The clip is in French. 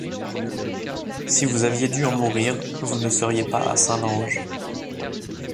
Si vous aviez dû en mourir, vous ne seriez pas à Saint-Lange.